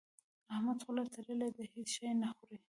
احمد خوله تړلې ده؛ هيڅ شی نه خوري.